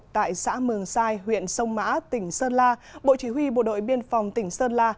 tại xã mường sai huyện sông mã tỉnh sơn la bộ chỉ huy bộ đội biên phòng tỉnh sơn la